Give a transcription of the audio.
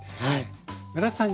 村田さん